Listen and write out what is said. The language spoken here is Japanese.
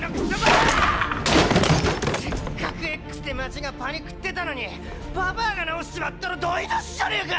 せっかくＸで街がパニクってたのにババァが治しちまったら台なしじゃねぇか！